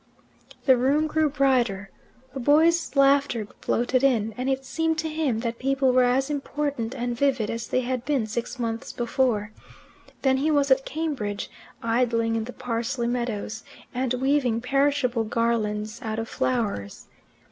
The room grew brighter. A boy's laughter floated in, and it seemed to him that people were as important and vivid as they had been six months before. Then he was at Cambridge, idling in the parsley meadows, and weaving perishable garlands out of flowers.